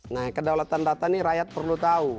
nah kedaulatan data ini rakyat perlu tahu